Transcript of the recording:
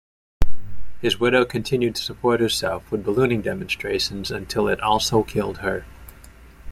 His widow continued to support herself with ballooning demonstrations until it also killed her.